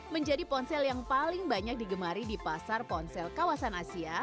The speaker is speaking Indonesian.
menjadi ponsel yang paling banyak digemari di pasar ponsel kawasan asia